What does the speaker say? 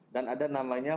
dan ada yang namanya